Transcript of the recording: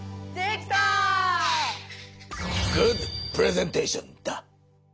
グッドプレゼンテーションだ！